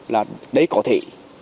là đấy có thể